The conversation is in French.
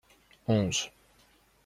Onze.